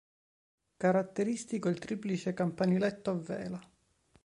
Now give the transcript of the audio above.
Caratteristico è il triplice campaniletto a vela.